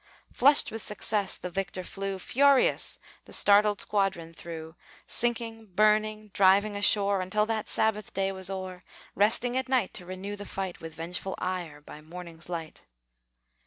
Flushed with success, the victor flew, Furious, the startled squadron through: Sinking, burning, driving ashore, Until that Sabbath day was o'er, Resting at night to renew the fight With vengeful ire by morning's light.